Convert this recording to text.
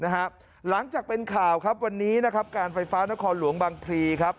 หลังจากเป็นข่าวครับวันนี้การไฟฟ้านครหลวงบังพลี